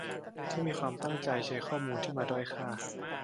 ที่มีความตั้งใจใช้ข้อมูลที่มาด้อยค่า